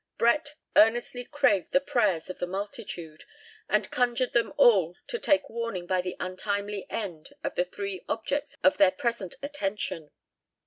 Brett earnestly craved the prayers of the multitude, and conjured them all to take warning by the untimely end of the three objects of their present attention.